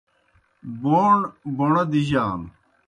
بَوݨ بَوݨہ دِجَانَوْ۔